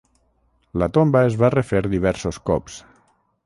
La tomba es va refer diversos cops.